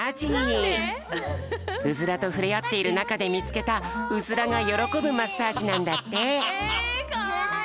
ウズラとふれあっているなかでみつけたウズラがよろこぶマッサージなんだって。えかわいい！